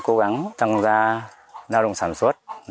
cố gắng tăng ra lao động sản xuất